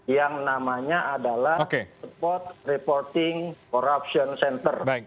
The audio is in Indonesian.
yang namanya adalah support reporting corruption center